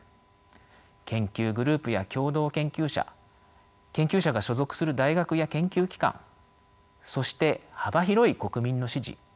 研究グループや共同研究者研究者が所属する大学や研究機関そして幅広い国民の支持。